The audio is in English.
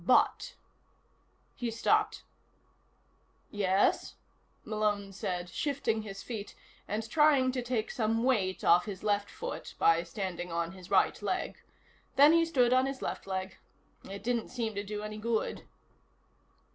But " He stopped. "Yes?" Malone said, shifting his feet and trying to take some weight off his left foot by standing on his right leg. Then he stood on his left leg. It didn't seem to do any good.